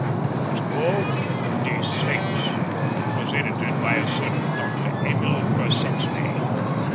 It was called Die Sphinx and was edited by a certain Dr Emil Besetzny.